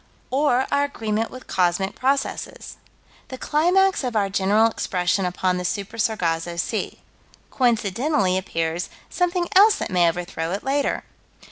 Or our agreement with cosmic processes. The climax of our general expression upon the Super Sargasso Sea. Coincidentally appears something else that may overthrow it later.